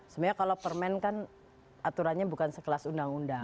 sebenarnya kalau permen kan aturannya bukan sekelas undang undang